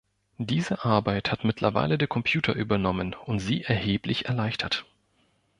Diese Arbeit hat mittlerweile der Computer übernommen und sie erheblich erleichtert.